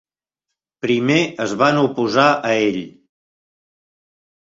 Primer es van oposar a ell.